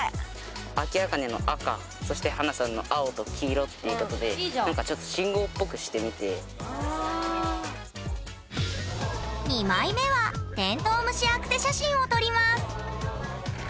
アキアカネの赤そして華さんの青と黄色っていうことで何かちょっと２枚目は「テントウムシアクセ」写真を撮ります